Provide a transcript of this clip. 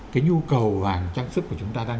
cái nhu cầu vàng trang sức của chúng ta đang